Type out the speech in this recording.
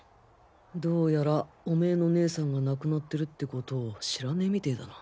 どうやらオメーの姉さんが亡くなってるって事を知らねぇみてだな。